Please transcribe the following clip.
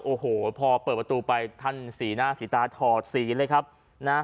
โอ้โหพอเปิดประตูไปท่านศรีนาศิษย์ตาถอดศรีเลยครับนะ